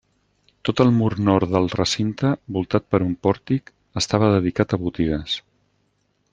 Tot el mur nord del recinte, voltat per un pòrtic, estava dedicat a botigues.